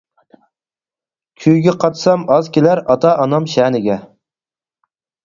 كۈيگە قاتسام ئاز كېلەر ئاتا ئانام شەنىگە.